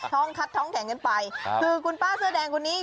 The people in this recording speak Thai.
คัดท้องแข็งกันไปคือคุณป้าเสื้อแดงคนนี้